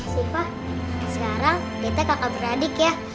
siva sekarang kita kakak beradik ya